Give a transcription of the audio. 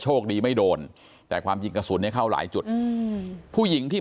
คดีไม่โดนแต่ความจริงกระสุนเนี่ยเข้าหลายจุดอืมผู้หญิงที่